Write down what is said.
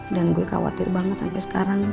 dan gue khawatir banget sampai sekarang